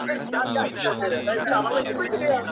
تعصب دی او که لنډغرو څخه دفاع